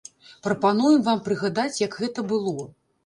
Прапануем вам прыгадаць, як гэта было.